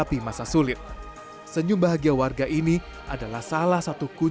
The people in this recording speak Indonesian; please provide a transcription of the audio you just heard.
pertanyaan dari rabainsalwa ulang tahun dua ribu dua puluh satu